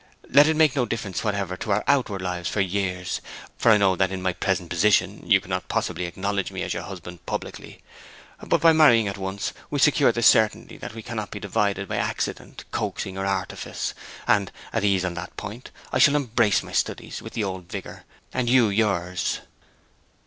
Let it make no difference whatever to our outward lives for years, for I know that in my present position you could not possibly acknowledge me as husband publicly. But by marrying at once we secure the certainty that we cannot be divided by accident, coaxing, or artifice; and, at ease on that point, I shall embrace my studies with the old vigour, and you yours.'